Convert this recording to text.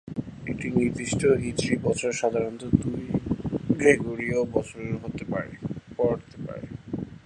একটি নির্দিষ্ট হিজরি বছর সাধারণত দুটি গ্রেগরীয় বছরে পড়তে পারে।